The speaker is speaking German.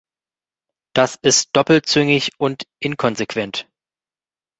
Das ist doppelzüngig und inkonsequent!